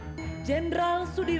dan menangkap jenderal sudirman